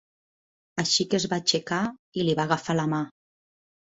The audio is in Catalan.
Així que es va aixecar i li va agafar la mà.